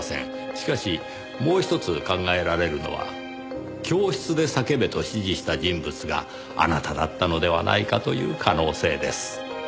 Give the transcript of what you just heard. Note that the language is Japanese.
しかしもうひとつ考えられるのは教室で叫べと指示した人物があなただったのではないかという可能性です。